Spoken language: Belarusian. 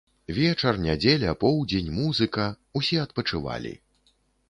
Вечар, нядзеля, поўдзень, музыка, усе адпачывалі.